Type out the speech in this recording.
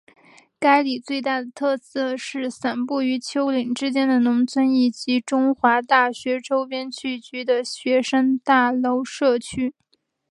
该里最大的特色是散布于丘陵之间的农村以及中华大学周边聚集的学生大楼社区。